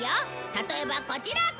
例えばこちら！